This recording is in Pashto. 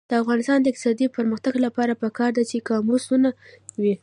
د افغانستان د اقتصادي پرمختګ لپاره پکار ده چې قاموسونه وي.